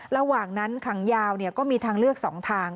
ระหว่างนั้นขังยาวก็มีทางเลือก๒ทาง